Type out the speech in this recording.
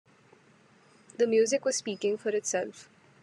The music was speaking for itself.